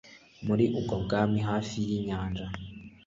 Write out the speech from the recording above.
Muri ubwo bwami hafi yinyanja